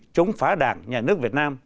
chống phá đảng nhà nước việt nam